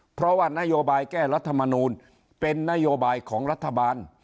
เพราะว่านโยบายแก้รัฐมนูลเป็นนโยบายของรัฐบาล